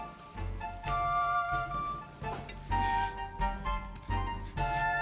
nih mbak rumahnya